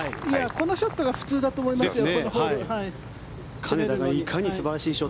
このショットが普通だと思いますよ。